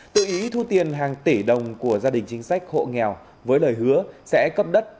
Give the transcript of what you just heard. tự ý thu tiền hàng tỷ đồng của gia đình chính sách hộ nghèo với lời hứa sẽ cấp đất